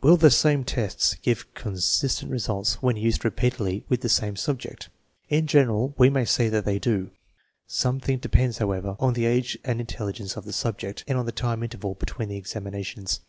Will the same tests give consistent resHte ^en used repeatedly with the same sub ject? In general we may say that they do. Something depends, however, on the age and intelligence of the sub ject and on the time interval between the examinations.